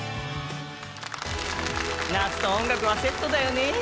夏と音楽はセットだよね。